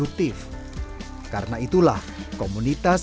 untuk berpengalaman terbuka dan menyemberi produk tertarik